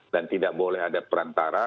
dan tidak boleh ada perantara